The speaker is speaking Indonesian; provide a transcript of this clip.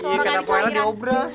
iya karena poela di obras